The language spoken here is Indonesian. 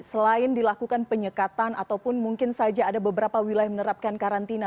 selain dilakukan penyekatan ataupun mungkin saja ada beberapa wilayah menerapkan karantina